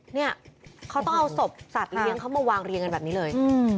เนี่ยเขาต้องเอาศพสัตว์เลี้ยงเขามาวางเรียงกันแบบนี้เลย